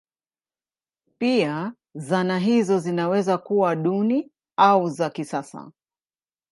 Pia zana hizo zinaweza kuwa duni au za kisasa.